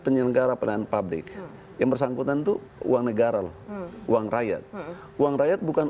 penyelenggara pelayanan publik yang bersangkutan itu uang negara loh uang rakyat uang rakyat bukan